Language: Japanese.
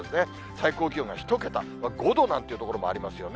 最高気温が１桁、５度なんて所もありますよね。